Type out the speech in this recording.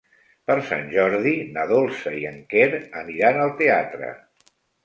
Per Sant Jordi na Dolça i en Quer aniran al teatre.